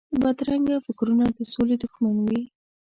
بدرنګه فکرونه د سولې دښمن وي